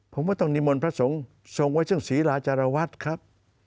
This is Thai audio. ผมว่าต้องนิมนต์พระสงฆ์ทรงไว้ซึ่งศรีราจารวัตรครับ